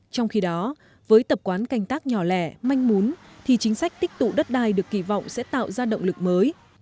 trong khi đó với tập quán canh tác nhỏ lẻ manh mún thì chính sách tích tụ đất đai được kỳ vọng sẽ tạo ra động lực mới